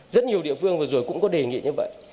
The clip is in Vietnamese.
rất nhiều địa phương vừa rồi cũng có đề nghị như vậy